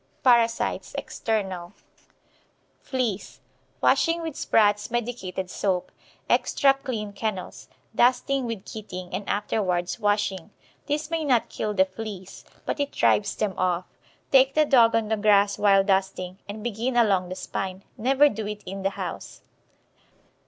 PARASITES. EXTERNAL. FLEAS. Washing with Spratts' medicated soap. Extra clean kennels. Dusting with Keating, and afterwards washing. This may not kill the fleas, but it drives them off. Take the dog on the grass while dusting, and begin along the spine. Never do it in the house.